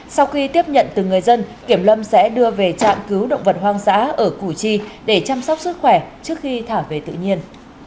sau khi tiếp nhận từ người dân kiểm lâm sẽ đưa về trạm cứu động vật hoang dã ở củ chi để chăm sóc sức khỏe trước khi thả về tự nhiên